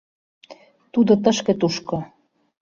Тудо тышке-тушко.